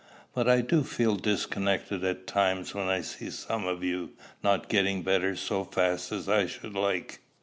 But I do feel discontented at times when I see some of you not getting better so fast as I should like.